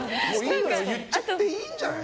言っちゃっていいんじゃない？